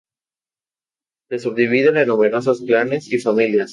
Se subdividen en numerosos clanes y familias.